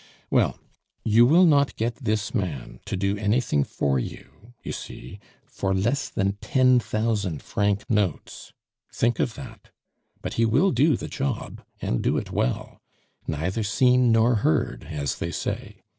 Well, you will not get this man to do anything for you, you see, for less than ten thousand franc notes think of that. But he will do the job, and do it well. Neither seen nor heard, as they say.